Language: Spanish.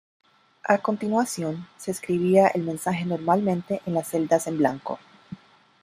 A continuación, se escribía el mensaje normalmente en las celdas en blanco.